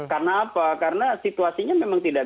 karena apa karena situasinya memang tidak